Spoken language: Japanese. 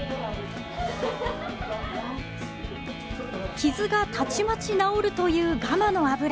傷がたちまち治るというガマの油。